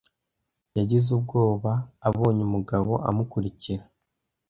Yagize ubwoba abonye umugabo amukurikira.